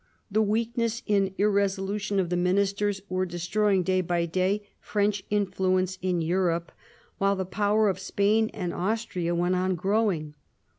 The weakness and irresolution of the Ministers were destroying, day by day, French influence in Europe, while the power of Spain and Austria went on growing.